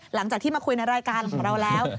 หลังจากที่มาคุยในรายการของเราแล้ว